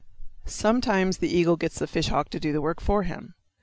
Sometimes the eagle gets the fish hawk to do the work for him.